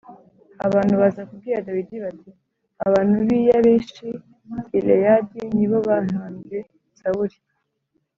Abantu baza kubwira dawidi bati abantu b i yabeshi gileyadi ni bo bahambye sawuli